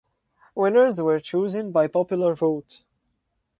Winners were chosen by popular vote.